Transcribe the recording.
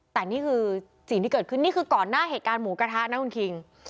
แต่นี่คือสิ่งที่เกิดขึ้นนี่คือก่อนหน้าเหตุการณ์หมูกระทะนะคุณคิง